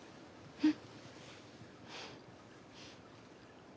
うん。